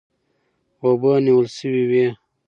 اوبه نیول سوې وې.